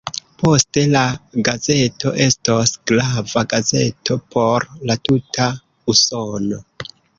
Poste la gazeto estos grava gazeto por la tuta Usono.